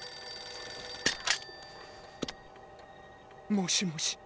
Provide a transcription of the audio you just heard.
☎もしもし。